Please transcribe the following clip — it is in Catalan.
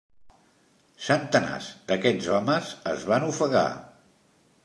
Centenars d'aquests homes es van ofegar.